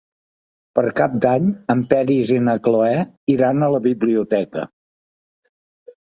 Per Cap d'Any en Peris i na Cloè iran a la biblioteca.